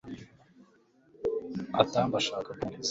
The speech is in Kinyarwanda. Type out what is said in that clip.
atamba ashaka guhumuriza